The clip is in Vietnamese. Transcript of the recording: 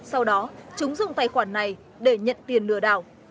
sau đó chúng dùng tài khoản này để nhận tiền lừa đảo